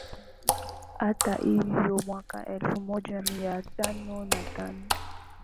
Hata hivyo mwaka elfu moja mia tano na tano